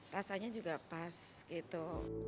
rasanya juga pas gitu